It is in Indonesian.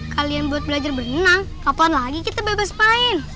kalian buat belajar berenang kapan lagi kita bebas main